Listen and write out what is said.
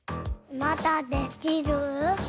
まだできる？